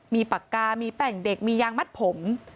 มีปากกามีแป้งเด็กมียางมัดผม